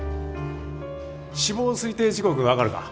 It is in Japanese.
死亡推定時刻分かるか？